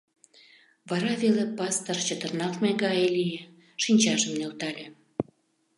Вара веле пастор, чытырналтме гае лие, шинчажым нӧлтале.